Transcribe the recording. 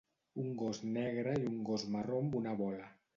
Un gos negre i un gos marró amb una bola